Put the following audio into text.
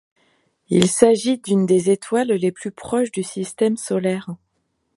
Il s'agit d'une des étoiles les plus proches du système solaire.